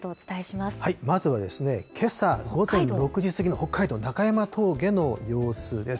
まずはけさ午前６時過ぎの北海道中山峠の様子です。